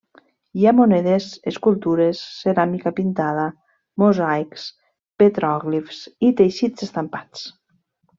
Hi ha monedes, escultures, ceràmica pintada, mosaics, petròglifs i teixits estampats.